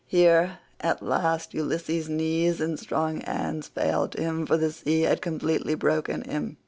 Here at last Ulysses' knees and strong hands failed him, for the sea had completely broken him.